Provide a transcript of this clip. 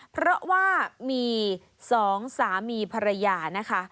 เพราะว่ามี๒สามีภรรยานะคะ